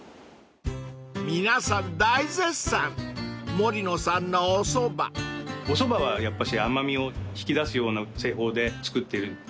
［皆さん大絶賛森のさんのおそば］おそばは甘味を引き出すような製法で作っているつもりです。